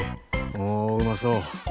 おおうまそう。